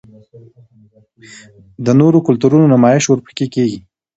د نورو کلتورونو نمائش ورپکښې کـــــــــــــــــېږي